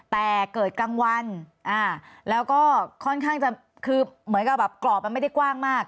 แต่เกิดกลางวันแล้วก็ค่อนข้างจะคือเหมือนกับแบบกรอบมันไม่ได้กว้างมาก